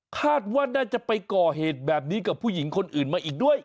คาดว่าน่าจะไปก่อเหตุแบบนี้กับผู้หญิงคนอื่นมาอีกด้วย